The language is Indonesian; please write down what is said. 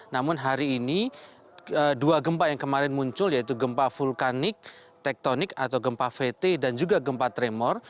namun hari ini dua gempa yang kemarin muncul yaitu gempa vulkanik tektonik atau gempa vt dan juga gempa tremor